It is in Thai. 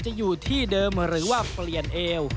จะอยู่ที่เดิมหรือว่าเปลี่ยนเอว